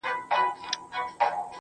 حوس مې وګوره په شان د حيوان کړے مې دی